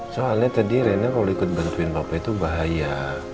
soalnya tadi renek kalau ikut bantuin papa itu bahaya